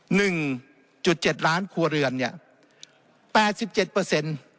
หนึ่งจุดเจ็ดล้านครัวเรือนเนี่ยแปดสิบเจ็ดเปอร์เซ็นต์